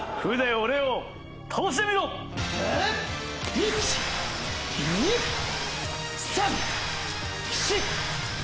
１２３４！